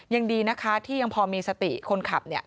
ยังดีนะคะที่ยังพอมีสติคนขับ